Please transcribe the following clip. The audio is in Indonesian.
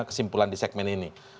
kesimpulan di segmen ini